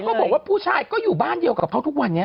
บอกว่าผู้ชายก็อยู่บ้านเดียวกับเขาทุกวันนี้